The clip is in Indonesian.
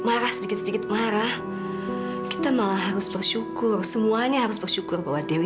marah sedikit sedikit marah kita malah harus bersyukur semuanya harus bersyukur bahwa dewi